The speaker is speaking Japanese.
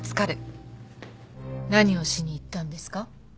何をしに行ったんですか？